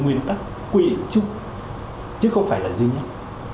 nguyên tắc quy định chung chứ không phải là duy nhất